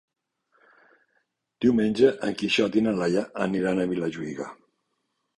Diumenge en Quixot i na Laia aniran a Vilajuïga.